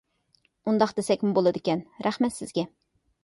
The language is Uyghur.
ئۇنداق دېسەكمۇ بولىدىكەن. رەھمەت سىزگە!